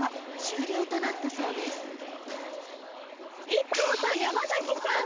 ＩＫＫＯさん山崎さん